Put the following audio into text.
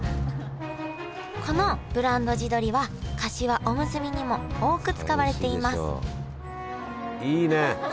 このブランド地どりはかしわおむすびにも多く使われていますいいね！